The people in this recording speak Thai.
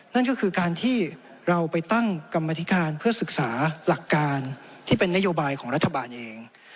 นั่นก็คือการที่เราไปตั้งกรรมธิการเพื่อศึกษาหลักการที่เป็นนโยบายของรัฐบาลเอง